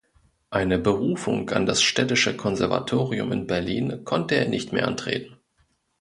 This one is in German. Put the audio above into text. Eine Berufung an das Städtische Konservatorium in Berlin konnte er nicht mehr antreten.